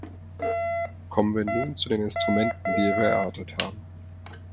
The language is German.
Kommen wir nun zu den Instrumenten, die wir erörtert haben.